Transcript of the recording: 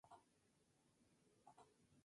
Le sigue el río Bolo.